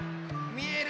みえる？